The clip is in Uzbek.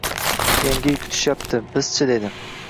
Yangi yil kutishyapti, biz-chi, dedim.